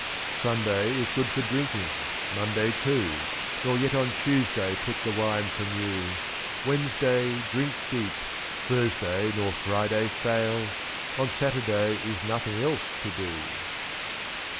Sunday is good for drinking, Monday too. Nor yet on Tuesday put the wine from you, 227.Wednesday drink deep, Thursday nor Friday fail — On Saturday is nothing else to do.